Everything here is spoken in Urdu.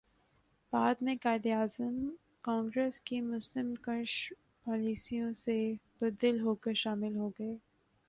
بعد میں قائداعظم کانگریس کی مسلم کش پالیسیوں سے بددل ہوکر شامل ہوگئے